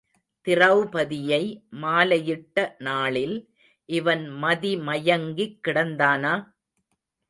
திரெளபதியை மாலையிட்ட நாளில் இவன் மதிமயங்கிக் கிடந்தானா?